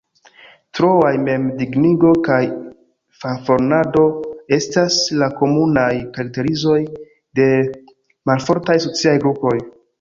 Troaj mem-dignigo kaj fanfaronado estas la komunaj karakterizoj de malfortaj sociaj grupoj.